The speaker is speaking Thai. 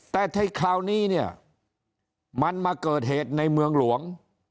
แต่ที่คราวนี้เนี่ยมันมาเกิดเหตุในเมืองหลวง